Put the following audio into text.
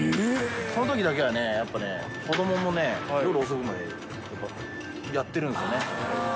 そのときだけはね、やっぱ子どももね、夜遅くまでやっぱ、やってるんですよね。